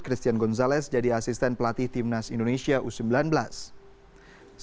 christian gonzalez jadi perempuan yang terkenal di piala asia